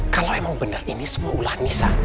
kalau emang benar ini semua ulah nisa